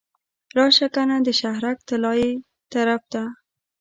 راشه کنه د شهرک طلایې طرف ته.